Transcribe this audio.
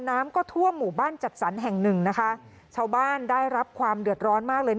น้ำก็ทั่วหมู่บ้านจัดสรรแห่งหนึ่งนะคะชาวบ้านได้รับความเดือดร้อนมากเลย